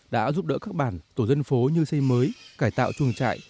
đã giúp đỡ các bản tổ dân phố như xây mới cải tạo chuồng trại